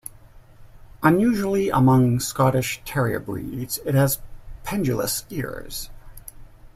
Unusually among Scottish terrier breeds, it has pendulous ears.